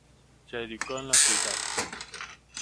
Se educó en la ciudad.